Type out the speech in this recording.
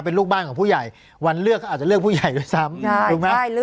เป็นลูกบ้านของผู้ใหญ่วันเลือกก็อาจจะเลือกผู้ใหญ่ด้วยซ้ำถูกไหม